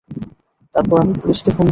তারপর আমি পুলিশকে ফোন দিলাম।